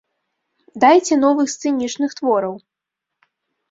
Дайце новых сцэнічных твораў!